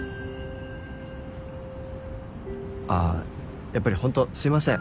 ああやっぱり本当すいません。